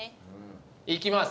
いきます。